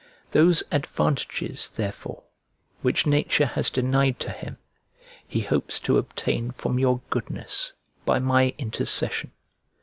Those advantages, therefore, which nature has denied to him, he hopes to obtain from your goodness, by my intercession.